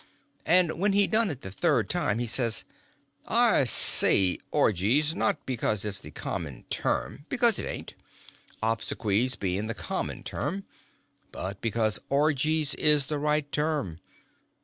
And when he done it the third time he says: "I say orgies, not because it's the common term, because it ain't—obsequies bein' the common term—but because orgies is the right term.